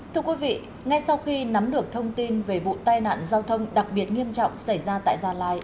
thưa quý vị ngay sau khi nắm được thông tin về vụ tai nạn giao thông đặc biệt nghiêm trọng xảy ra tại gia lai